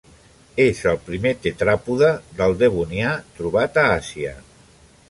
És el primer tetràpode del Devonià trobat a Àsia.